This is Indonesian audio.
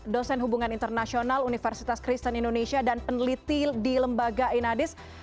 dosen hubungan internasional universitas kristen indonesia dan peneliti di lembaga inadis